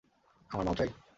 আমার মাল চাই।